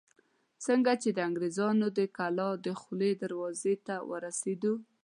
څنګه چې د انګرېزانو د کلا دخولي دروازې ته راورسېدو.